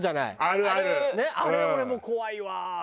あれ俺もう怖いわ。